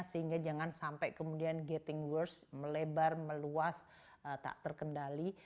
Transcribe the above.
sehingga jangan sampai kemudian gating worst melebar meluas tak terkendali